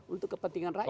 untuk kepentingan rakyat